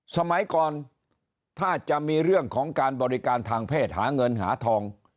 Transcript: สมัยก่อนถ้าจะมีเรื่องของการบริการทางเพศหาเงินหาทอง